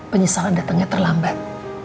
penyesalan datangnya terlambat